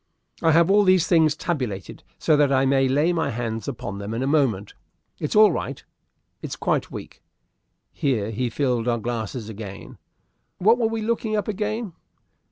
"I have all these things tabulated, so that I may lay my hands upon them in a moment. It's all right it's quite weak" (here he filled our glasses again). "What were we looking up, again?"